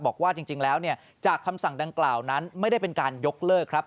บอกว่าจริงแล้วจากคำสั่งดังกล่าวนั้นไม่ได้เป็นการยกเลิกครับ